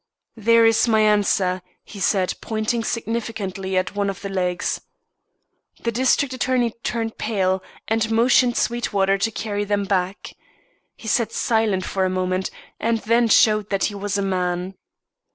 "There is my answer," he said pointing significantly at one of the legs. The district attorney turned pale, and motioned Sweetwater to carry them back. He sat silent for a moment, and then showed that he was a man.